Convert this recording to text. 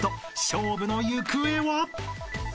［勝負の行方は？］